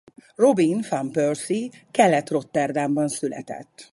Robin van Persie Kelet-Rotterdamban született.